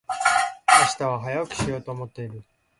明日は早起きしようと思っている。